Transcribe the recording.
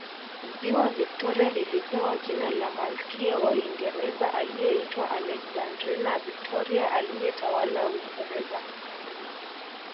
Ziwa Victoria lilipewa jina la Malkia wa Uingereza aliyeitwa Alexandrina Victoria aliyetawala Uingereza